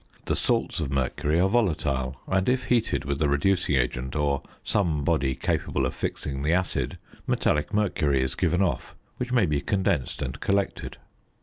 The salts of mercury are volatile, and, if heated with a reducing agent or some body capable of fixing the acid, metallic mercury is given off, which may be condensed and collected.